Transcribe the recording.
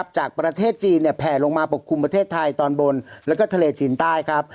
จากประเทศจีนแผลลงมาปกคลุมประเทศไทยตอนบนแล้วก็ทะเลจีนใต้ครับ